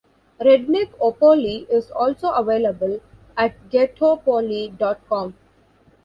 Redneck Opoly is also available at ghettopoly dot com.